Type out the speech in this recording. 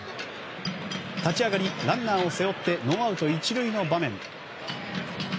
立ち上がりランナーを背負ってノーアウト１塁の場面。